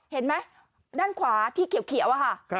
เห็นไหมด้านขวาที่เขียว